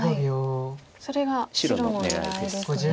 それが白の狙いですね。